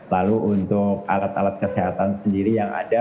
lalu untuk alat alat kesehatan sendiri yang ada